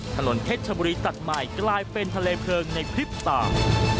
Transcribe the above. ถนนเพชรชบุรีตัดใหม่กลายเป็นทะเลเพลิงในคลิปต่าง